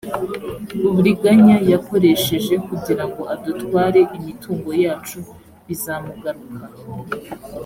uburiganya yakoresheje kugirango adutware imitungo yacu bizamugaruka